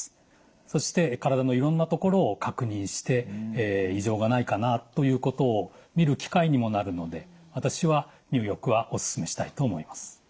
そして体のいろんなところを確認して異常がないかなということを見る機会にもなるので私は入浴はおすすめしたいと思います。